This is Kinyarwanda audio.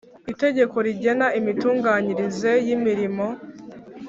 Itegeko rigena imitunganyirize y imirimo